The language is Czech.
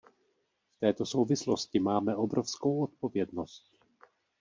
V této souvislosti máme obrovskou odpovědnost.